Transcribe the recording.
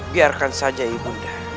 biarkan saja ibu